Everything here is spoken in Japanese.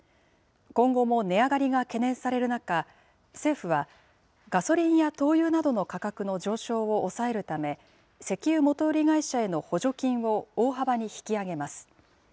今後も値上がりが懸念される中、政府は、ガソリンや灯油などの価格の上昇を抑えるため、石油元売り会社への補助金を大幅に引き上げます。